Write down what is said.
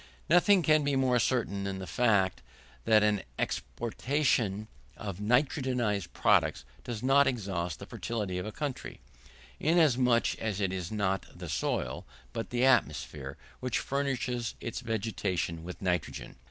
Nothing then can be more certain than the fact, that an exportation of nitrogenised products does not exhaust the fertility of a country; inasmuch as it is not the soil, but the atmosphere, which furnishes its vegetation with nitrogen.